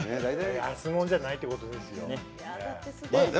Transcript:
安物じゃないってことですよ。